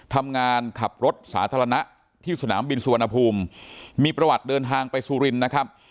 ทำงานขับรถสาธารณะที่สนามบินสุวรรณภูมิมีประวัติเดินทางไปสุรินทร์นะครับ